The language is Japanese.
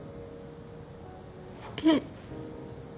えっ。